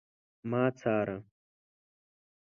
ما څاره